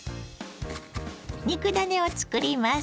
肉ダネを作ります。